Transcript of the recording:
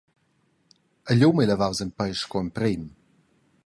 Igl um ei levaus en pei sco emprem.